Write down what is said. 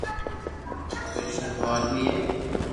ڪرسٽن لوھار بي ھي